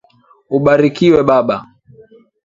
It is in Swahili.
Ubarikiwe baba.